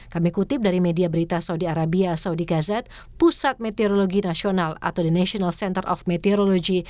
kami kutip dari media berita saudi arabia saudi gazat pusat meteorologi nasional atau the national center of meteorologi